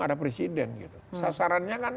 ada presiden sasarannya kan